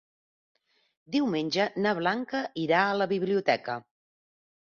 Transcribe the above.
Diumenge na Blanca irà a la biblioteca.